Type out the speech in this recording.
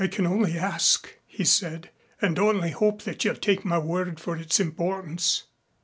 "I can only ask," he said, "and only hope that you'll take my word for its importance."